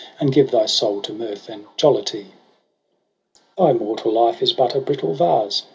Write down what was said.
And give thy soul to mirth and jollity. ' Thy mortal life is but a brittle vase.